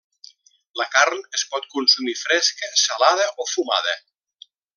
La carn es pot consumir fresca, salada o fumada.